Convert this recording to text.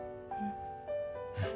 うん。